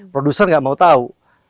produser nggak mau tahu